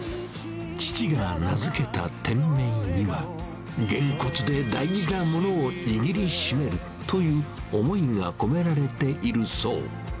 父が名付けた店名には、げんこつで大事なものを握り締めるという思いが込められているそう。